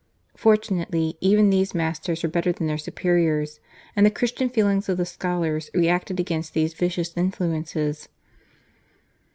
Fortunately, even these masters were better than their Superiors, and the Christian feelings of the scholars reacted against these vicious influences.